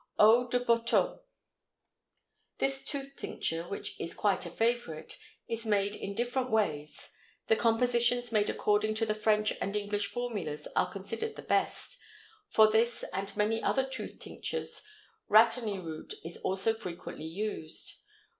EAU DE BOTOT. This tooth tincture, which is quite a favorite, is made in different ways; the compositions made according to the French and English formulas are considered the best. For this and many other tooth tinctures rhatany root is also frequently used.